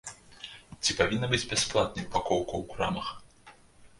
Ці павінна быць бясплатнай упакоўка ў крамах?